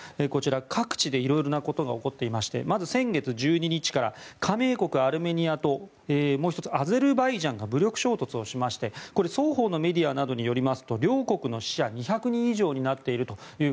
各地でいろいろなことが起こっていまして、まず先月１２日から加盟国アルメニアともう１つ、アゼルバイジャンが武力衝突をしまして双方のメディアなどによりますと両国の死者は２００人以上になっていると。